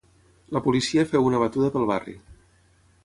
La policia feu una batuda pel barri.